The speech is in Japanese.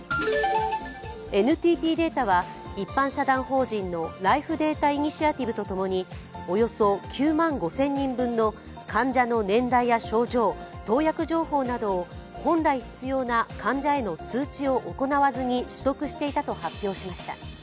ＮＴＴデータは一般社団法人のライフデータイニシアティブとともにおよそ９万５０００人分の患者の年代や症状投薬情報などを本来必要な患者への通知を行わずに取得していたと発表しました。